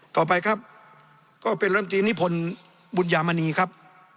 ต่อไปครับก็เป็นลำตีนิพนธ์บุญญามณีครับ